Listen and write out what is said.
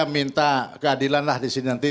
minta keadilan lah disini nanti